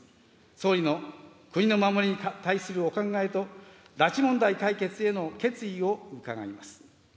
総理の国の守りに対するお考えと、拉致問題解決への決意を伺います。